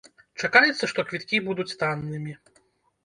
Чакаецца, што квіткі будуць таннымі.